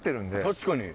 確かに。